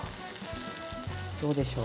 どうでしょう。